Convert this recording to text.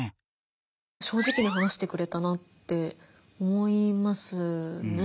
正直に話してくれたなって思いますね。